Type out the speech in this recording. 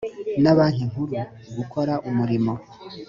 na banki nkuru gukora umurimo